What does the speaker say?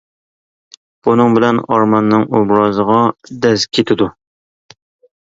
بۇنىڭ بىلەن ئارماننىڭ ئوبرازىغا دەز كېتىدۇ.